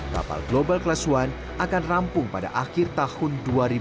kapal global class one akan rampung pada akhir tahun dua ribu dua puluh